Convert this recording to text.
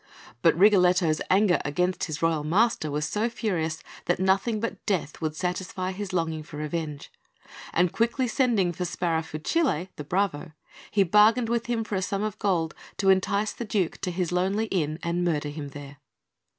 But Rigoletto's anger against his royal master was so furious that nothing but death would satisfy his longing for revenge; and quickly sending for Sparafucile, the bravo, he bargained with him for a sum of gold to entice the Duke to his lonely inn and murder him there.